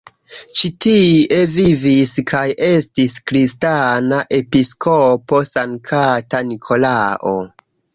Ĉi-tie vivis kaj estis kristana episkopo Sankta Nikolao.